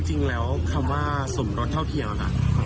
จริงแล้วคำว่าสมรสเท่าเทียมค่ะ